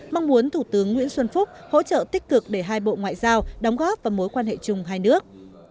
mong muốn thủ tướng nguyễn xuân phúc hỗ trợ tích cực để hai bộ ngoại giao đóng góp vào mối quan hệ chung hai nước